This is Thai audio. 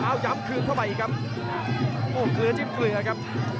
เอ้าย้ำคืนเข้าไปอีกคัม